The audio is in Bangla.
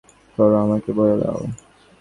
কহিল, মাসিমা, আমাকে আশীর্বাদ করো, আমাকে বল দাও।